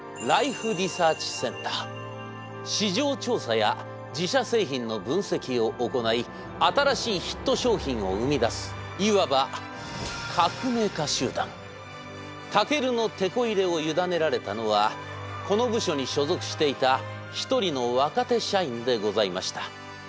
その名も市場調査や自社製品の分析を行い新しいヒット商品を生み出すいわばＴＡＫＥＲＵのてこ入れを委ねられたのはこの部署に所属していた一人の若手社員でございました。